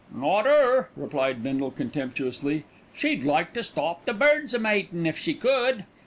"Not 'er," replied Bindle contemptuously. "She'd like to stop the birds a matin', if she could."